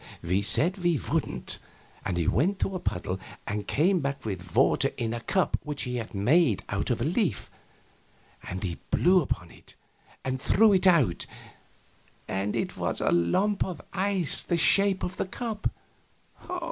We said we wouldn't, and he went to a puddle and came back with water in a cup which he had made out of a leaf, and blew upon it and threw it out, and it was a lump of ice the shape of the cup.